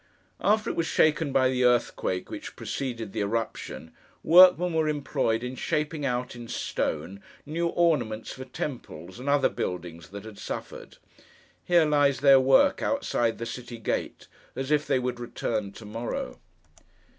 After it was shaken by the earthquake which preceded the eruption, workmen were employed in shaping out, in stone, new ornaments for temples and other buildings that had suffered. Here lies their work, outside the city gate, as if they would return to morrow.